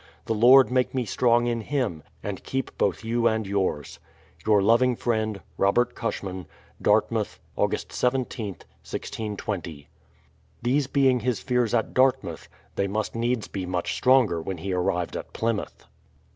The Lord make me strong in Him, and keep both you and yours. Your loving friend, ROBERT CUSHMAN. Dartmouth, Aug. lytJi, 1620. These being his fears at Dartmouth, they must needs be much stronger when he arrived at Plymouth.